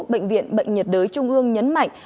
bệnh viện bệnh nhiệt đới trung ương nhấn mạnh